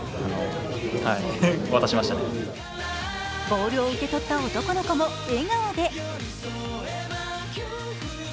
ボールを受け取った男の子も笑顔で。